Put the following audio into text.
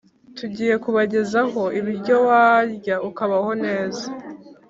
Tugiye kubagezaho ibiryo warya ukubaho neza